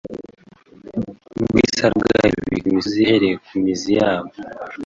rw isarabwayi Yubika imisozi ahereye mu mizi yayo